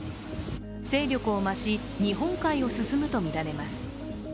勢力を増し、日本海を進むとみられます。